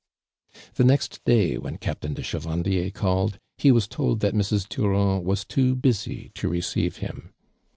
The next day, when Captain de Chevan dier called, he was told that Mrs. Durand was too buHjr to receive liiin.